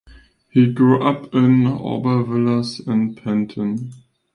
He grew up in Aubervilliers and Pantin.